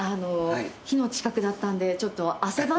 火の近くだったんでちょっと。